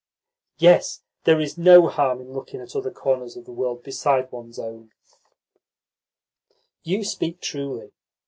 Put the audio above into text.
"Yes, there is no harm in looking at other corners of the world besides one's own." "You speak truly.